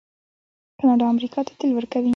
کاناډا امریکا ته تیل ورکوي.